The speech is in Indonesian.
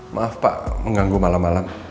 maaf pak mengganggu malam malam